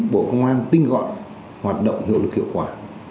bộ công an tinh gọn hoạt động hiệu lực hiệu quả